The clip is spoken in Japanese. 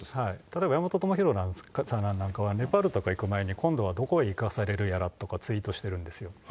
例えば山本朋広さんなんかはネパールとか行く前に、今度はどこへ行かされるやらってツイートしてるんですよ。